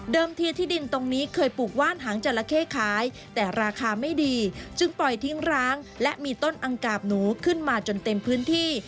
ที่ที่ดินตรงนี้เคยปลูกว่านหางจราเข้ขายแต่ราคาไม่ดีจึงปล่อยทิ้งร้างและมีต้นอังกาบหนูขึ้นมาจนเต็มพื้นที่